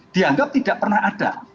dianggap tidak pernah ada